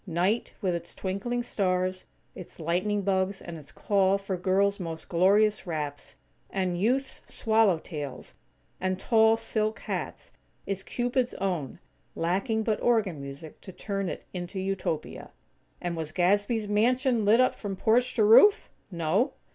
Night, with its twinkling stars, its lightning bugs, and its call for girls' most glorious wraps; and youths' "swallowtails", and tall silk hats, is Cupid's own; lacking but organ music to turn it into Utopia. And was Gadsby's mansion lit up from porch to roof? No.